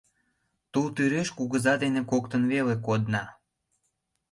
Тул тӱреш кугыза дене коктын веле кодна.